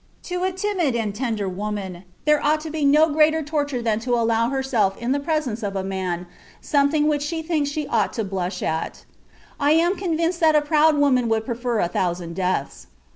To a timid and tender woman there ought to be no greater torture than to allow herself in the presence of a man something which she thinks she ought to blush at. I am convinced that a proud woman would prefer a thousand deaths.